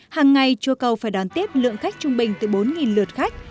hàng ngày chùa cầu phải đón tiếp lượng khách trung bình từ bốn lượt khách